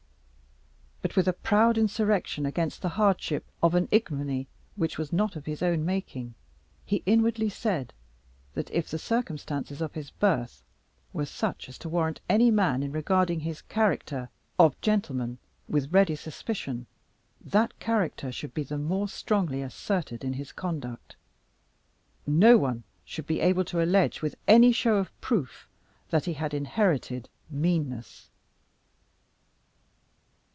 But with a proud insurrection against the hardship of an ignominy which was not of his own making, he inwardly said, that if the circumstances of his birth were such as to warrant any man in regarding his character of gentleman with ready suspicion, that character should be the more strongly asserted in his conduct. No one should be able to allege with any show of proof that he had inherited meanness.